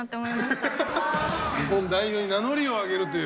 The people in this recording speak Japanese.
日本代表に名乗りをあげるという。